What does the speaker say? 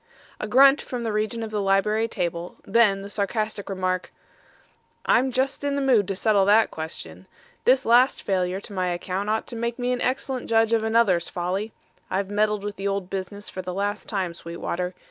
A grunt from the region of the library table, then the sarcastic remark: "I'm just in the mood to settle that question. This last failure to my account ought to make me an excellent judge of another's folly. I've meddled with the old business for the last time, Sweetwater.